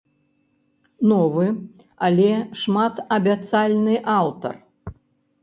Новы, але шматабяцальны аўтар.